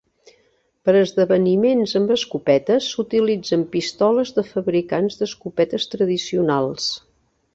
Per a esdeveniments amb escopetes s'utilitzen pistoles de fabricants d'escopetes tradicionals.